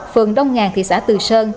phường đông ngàn thị xã từ sơn